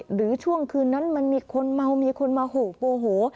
หรือช่วงคืนนั้นมันมีคนเมามีคนมาโหกโมโห